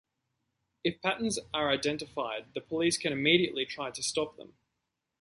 If patterns are identified the police can immediately try to stop them.